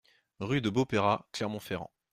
Rue de Beaupeyras, Clermont-Ferrand